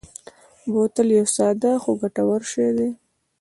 بوتل یو ساده خو ګټور شی دی.